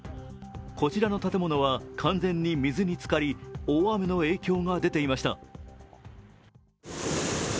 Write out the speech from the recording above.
こちらの建物は完全に水につかり、大雨の影響が出ていました。